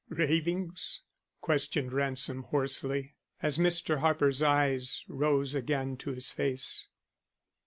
"Ravings?" questioned Ransom hoarsely, as Mr. Harper's eyes rose again to his face.